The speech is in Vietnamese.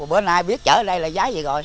bữa nay biết chở đây là giá gì rồi